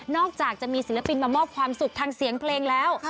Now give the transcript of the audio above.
อกจากจะมีศิลปินมามอบความสุขทางเสียงเพลงแล้ว